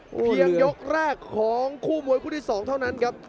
เพียงยกแรกของคู่มวยคู่ที่๒เท่านั้นครับ